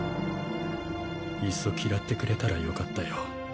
いっそ嫌ってくれたらよかったよ。